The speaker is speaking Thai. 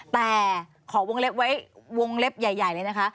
แต่ขอวงเล็บไว้วงเล็บใหญ่เลยนะคะ